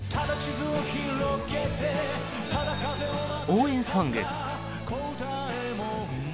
応援ソング